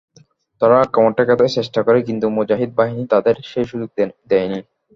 তারা আক্রমণ ঠেকাতে চেষ্টা করে কিন্তু মুজাহিদ বাহিনী তাদের সে সুযোগ দেয়নি।